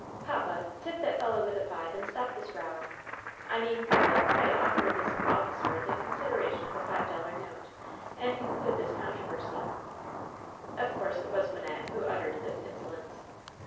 "Papa, tip that fellow with a V, and stop this row !— I mean, papa, pray offer this officer the consideration of a five dollar note, and conclude this controversy." Of course, it was Wynnette who uttered this insolence.